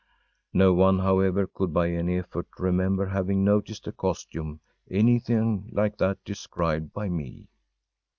No one, however, could by any effort remember having noticed a costume anything like that described by me.